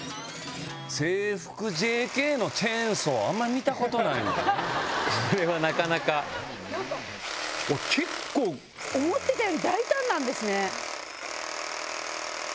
制服ＪＫのチェーンソーあんま見たことないこれはなかなか何かおっ結構思ってたより大胆なんですね